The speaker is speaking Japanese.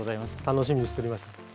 楽しみにしておりました。